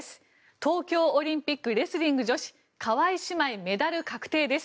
東京オリンピックレスリング女子川井姉妹、メダル確定です。